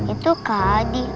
itu kak hadi